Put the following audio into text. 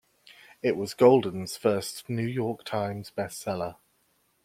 It was Golden's first New York Times bestseller.